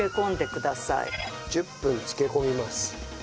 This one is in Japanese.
１０分漬け込みます。